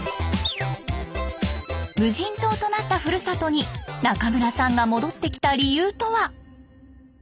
無人島となったふるさとに中村さんが戻ってきた理由とは？